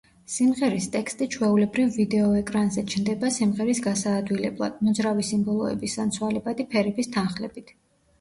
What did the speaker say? სიმღერის ტექსტი ჩვეულებრივ ვიდეო ეკრანზე ჩნდება სიმღერის გასაადვილებლად, მოძრავი სიმბოლოების ან ცვალებადი ფერების თანხლებით.